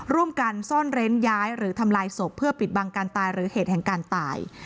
ร่วมกันซ่อนเร้นย้ายหรือทำลายศพเพื่อปิดบังการตายหรือเหตุแห่งการตาย